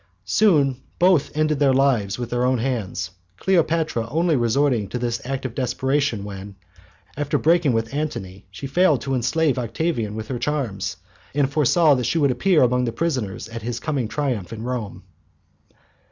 Both ended their lives with their own hands, Cleopatra only resorting to this act of desperation when, after breaking with Antony, she failed to enslave Octavian with her charms, and foresaw that she would appear among the prisoners at his coming triumph in Rome.